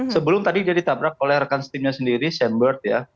sebelum tadi dia ditabrak oleh rekan timnya sendiri shamberg ya